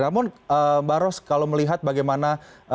namun mbak ros kalau melihat bagaimana